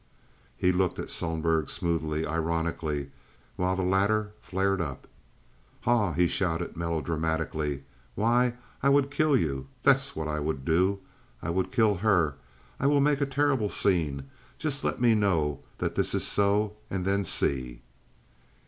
He looked at Sohlberg smoothly, ironically, while the latter flared up. "Haw!" he shouted, melodramatically. "Why, I would keel you, that's what I would do. I would keel her. I weel make a terrible scene. Just let me knaw that this is so, and then see!"